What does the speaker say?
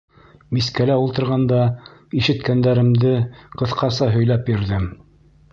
Мискәлә ултырғанда ишеткәндәремде ҡыҫҡаса һөйләп бирҙем.